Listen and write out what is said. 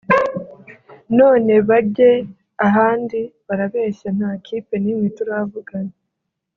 none bagee ahandi barabeshya nta kipe n’imwe turavugana